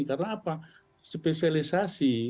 karena apa spesialisasi